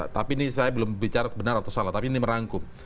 tapi ini saya belum bicara benar atau salah tapi ini merangkum